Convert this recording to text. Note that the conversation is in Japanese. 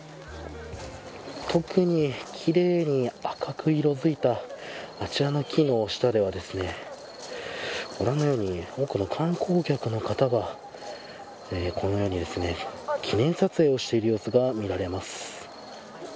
特に奇麗に赤く色づいたあちらの木の下ではご覧のように多くの観光客の方がこのように記念撮影をしている様子が見られます。